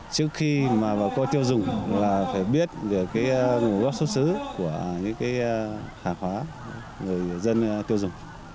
trước khi mà bà con tiêu dùng là phải biết về cái gồm góp xuất xứ của những cái hạt hóa người dân tiêu dùng